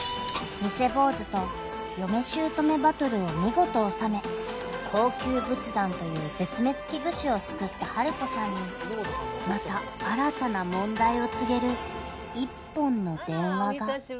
［偽坊主と嫁姑バトルを見事収め高級仏壇という絶滅危惧種を救ったハルコさんにまた新たな問題を告げる一本の電話が］